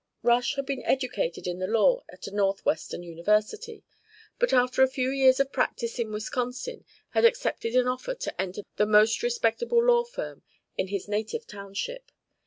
Rush had been educated in the law at a northwestern university, but after a few years of practice in Wisconsin had accepted an offer to enter the most respectable law firm in his native township.